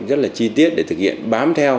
rất là chi tiết để thực hiện bám theo